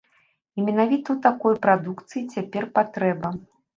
І менавіта ў такой прадукцыі цяпер патрэба.